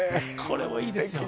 これもいいですよ